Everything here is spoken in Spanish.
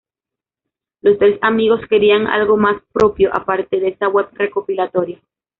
Los tres amigos querían algo más propio aparte de esa web recopilatoria.